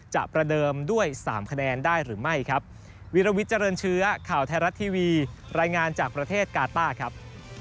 จะประเดิมด้วย๓คะแนนได้หรือไม่ครับ